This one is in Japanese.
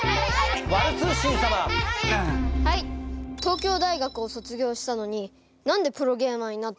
東京大学を卒業したのに何でプロゲーマーになったんですか？